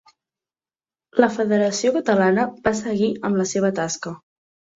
La Federació Catalana va seguir amb la seva tasca.